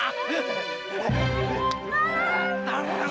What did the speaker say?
gak usah pake uang